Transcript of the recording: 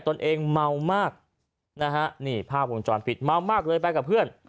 ตัวเองเมามากนะฮะนี่ภาพวงจรปิดเมามากเลยไปกับเพื่อน